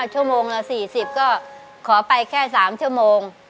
ชั่วโมงละ๔๐ก็ขอไปแค่๓ชั่วโมง